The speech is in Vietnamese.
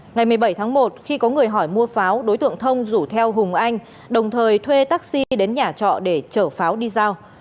ngày một mươi bảy tháng một khi có người hỏi mua pháo đối tượng thông rủ theo hùng anh đồng thời thuê taxi đến nhà trọ để chở pháo đi giao